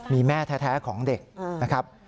มีแม่แท้ของเด็กนะครับ